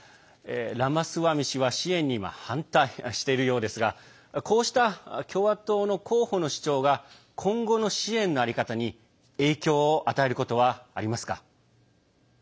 ラマスワミ氏は支援に反対しているようですがこうした共和党の候補の主張が今後の支援の在り方に影響を与えることはありますか？